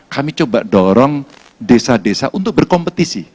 kami coba dorong desa desa untuk berkompetisi